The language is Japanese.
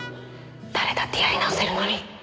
誰だってやり直せるのに。